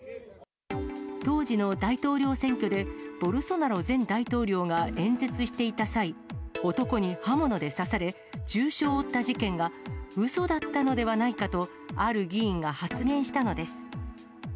当時の大統領選挙で、ボルソナロ前大統領が演説していた際、男に刃物で刺され、重傷を負った事件が、うそだったのではないかと、ある議員が発言したのです。